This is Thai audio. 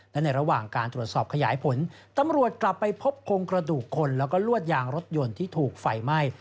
และในระหว่างการตรวจสอบขยายผลตำรวจกลับไปพบโครงกระดูกคนแล้วก็ลวดยางรถยนต์ที่ถูกไฟไหม้